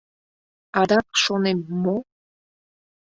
— Адак, шонем, мо?